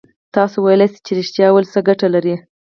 تاسو ویلای شئ چې رښتيا ويل څه گټه لري؟